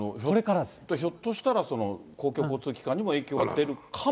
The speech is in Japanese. ひょっとしたら、公共交通機関にも影響が出るかも。